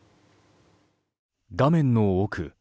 画面の奥